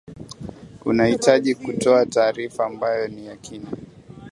unahitaji kutoa taarifa ambayo ni ya kina